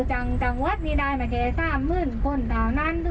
ฉันก็หมึนตึ๊บเหมือนกันนะคะ